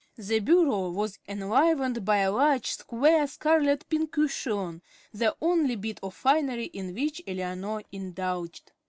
The bureau was enlivened by a large, square scarlet pincushion, the only bit of finery in which Eleanor indulged.